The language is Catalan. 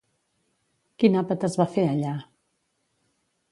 Quin àpat es va fer allà?